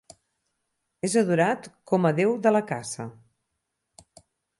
És adorat com a déu de la caça.